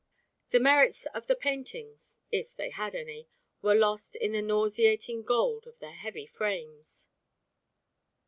The merits of the paintings, if they had any, were lost in the nauseating gold of their heavy frames.